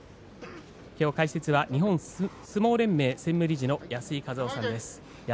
きょう解説は日本相撲連盟専務理事の安井和男さんです。